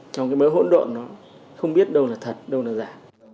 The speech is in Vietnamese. trong cái mỡ hỗn độn nó không biết đâu là thật đâu là giả